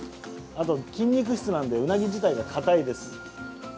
あと筋肉質なのでウナギ自体がかたいです。